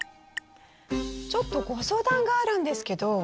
ちょっとご相談があるんですけど。